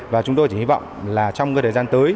và chúng tôi chỉ hy vọng là trong thời gian tới